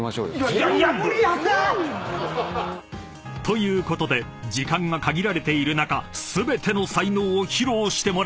［ということで時間が限られている中全ての才能を披露してもらうことに］